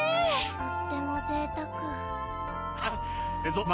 とってもぜいたくハハハ